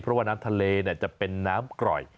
เพราะว่าน้ำทะเลจะเป็นน้ำกร่อย